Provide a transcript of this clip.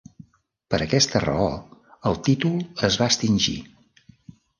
Per aquesta raó el títol es va extingir.